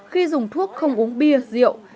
khi dùng thuốc không uống bia rượu